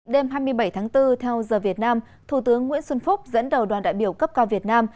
đêm hai mươi bảy tháng bốn theo giờ việt nam thủ tướng nguyễn xuân phúc dẫn đầu đoàn đại biểu cấp cao việt nam